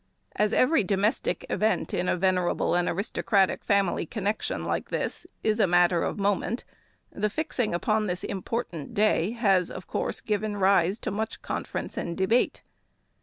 As every domestic event in a venerable and aristocratic family connection like this is a matter of moment, the fixing upon this important day has, of course, given rise to much conference and debate.